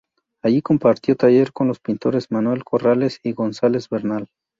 Allí compartió taller con los pintores Manuel Corrales y González Bernal.